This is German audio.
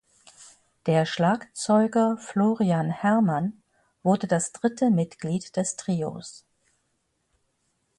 Der Schlagzeuger Florian Hermann wurde das dritte Mitglied des Trios.